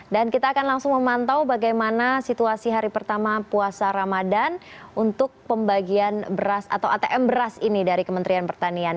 dan kita akan langsung memantau bagaimana situasi hari pertama puasa ramadan untuk pembagian beras atau atm beras ini dari kementerian pertanian